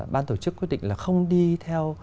ban tổ chức quyết định là không đi theo